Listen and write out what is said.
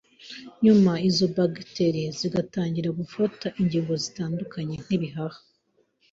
nyuma izo bagiteri zigatangira gufata ingingo zitandukanye nk’ibihaha,